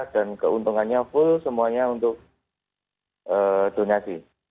dan keuntungannya full semuanya untuk donasi